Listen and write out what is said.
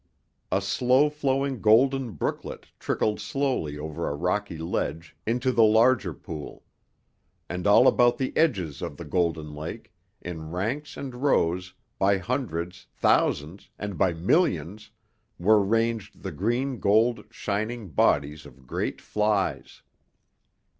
A slow flowing golden brooklet trickled slowly over a rocky ledge, into the larger pool. And all about the edges of the golden lake, in ranks and rows, by hundreds, thousands, and by millions, were ranged the green gold, shining bodies of great flies.